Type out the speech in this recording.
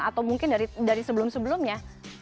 atau mungkin dari sebelum sebelumnya